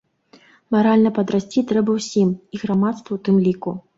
Маральна падрасці трэба ўсім, і грамадству ў тым ліку.